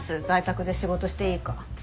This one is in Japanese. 在宅で仕事していいか。